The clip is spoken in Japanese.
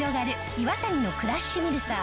イワタニのクラッシュミルサー！